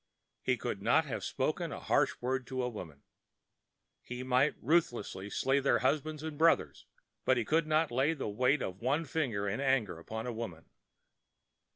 He could not have spoken a harsh word to a woman. He might ruthlessly slay their husbands and brothers, but he could not have laid the weight of a finger in anger upon a woman.